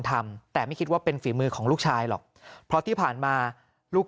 ทำแต่ไม่คิดว่าเป็นฝีมือของลูกชายหรอกเพราะที่ผ่านมาลูก